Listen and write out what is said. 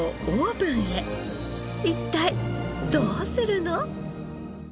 一体どうするの？